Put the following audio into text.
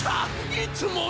いつもの！